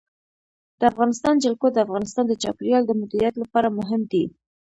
د افغانستان جلکو د افغانستان د چاپیریال د مدیریت لپاره مهم دي.